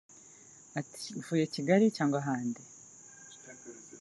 Ati "Uvuye Kigali cyangwa ahandi